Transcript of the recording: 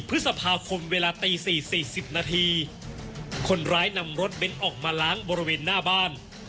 พฤษภาคมเวลาตี๔๔๐นาทีคนร้ายนำรถเบ้นออกมาล้างบริเวณหน้าบ้าน